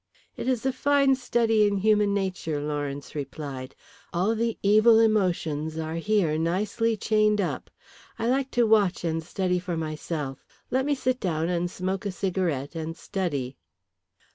"It is a fine study in human nature," Lawrence replied. "All the evil emotions are here nicely chained up. I like to watch and study for myself. Let me sit down and smoke a cigarette and study."